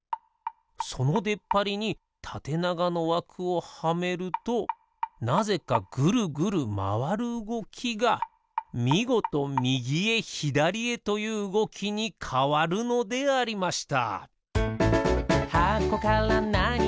そのでっぱりにたてながのわくをはめるとなぜかぐるぐるまわるうごきがみごとみぎへひだりへといううごきにかわるのでありました。